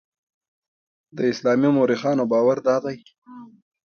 د اسلامي مورخانو باور دادی.